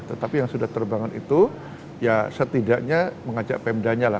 tetapi yang sudah terbangun itu ya setidaknya mengajak pemdanya lah